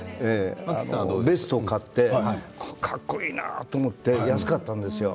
ベストを買ってかっこいいなと思って安かったんですよ。